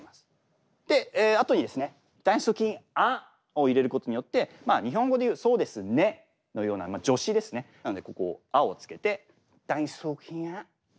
であとにですね「だいすき『あ』」を入れることによって日本語でいう「そうです『ね』」のような助詞ですねなのでここ「あ」をつけて「だいすきあ」なんですね。